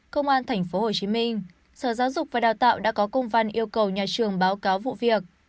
công an tp hcm sở giáo dục và đào tạo đã có công văn yêu cầu nhà trường báo cáo vụ việc